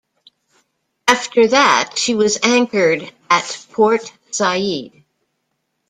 After that, she was anchored at Port Said.